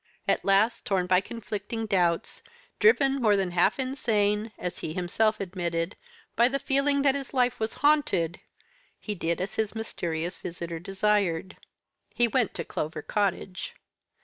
"At last torn by conflicting doubts, driven more than half insane as he himself admitted by the feeling that his life was haunted, he did as his mysterious visitor desired he went to Clover Cottage.